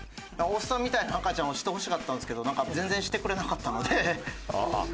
おっさんみたいな赤ちゃんをしてほしかったんですけど全然してくれなかったので。